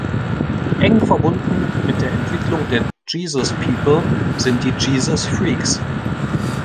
Eng verbunden mit der Entwicklung der Jesus-People sind die Jesus Freaks.